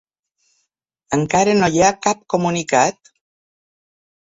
Encara no hi ha cap comunicat?